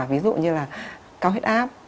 ví dụ như là cao hít áp